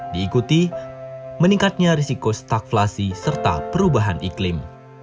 diikuti meningkatnya risiko staflasi serta perubahan iklim